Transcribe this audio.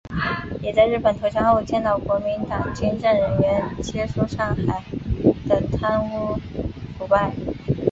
也在日本投降后见到国民党军政人员接收上海的贪污腐败。